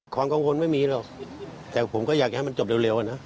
ความกังวลไม่มีหรอกแต่ผมก็อยากจะให้มันจบเร็วอะนะ